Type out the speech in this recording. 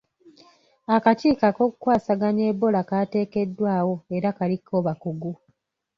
Akakiiko ak'okukwasaganya ebola kateekeddwawo era kaliko bakugu.